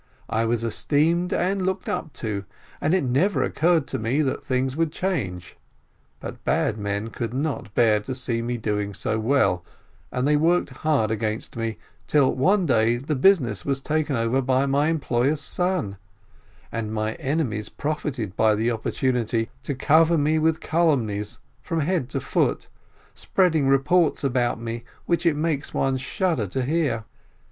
I was esteemed and looked up to, and it never occurred to me that things would change; but bad men could not bear to see me doing so well, and they worked hard against me, till one day the business was taken over by my employer's son; and my enemies profited by the oppor tunity, to cover me with calumnies from head to foot, spreading reports about me which it makes one shudder to hear.